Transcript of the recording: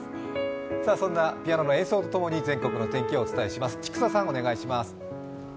そんなピアノの演奏と共に全国の天気をお伝えします。